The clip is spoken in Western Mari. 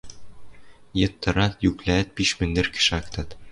Йыд тырат, юквлӓӓт пиш мӹндӹркӹ шактат.